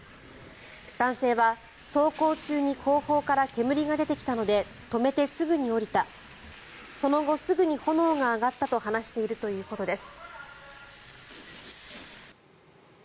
男性は、走行中に後方から煙が出てきたので止めてすぐに降りたその後、すぐに炎が上がったと話しているということです。